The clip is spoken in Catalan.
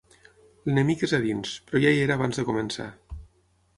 L'enemic és a dins, pro ja hi era abans de començar.